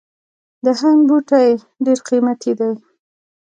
د هنګ بوټی ډیر قیمتي دی